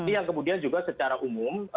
yang kemudian juga secara umum